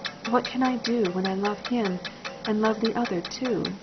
What can I do when I love him and love the other too